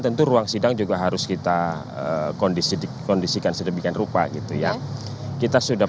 tentu ruang sidang juga harus kita kondisi di kondisikan sedemikian rupa gitu ya kita sudah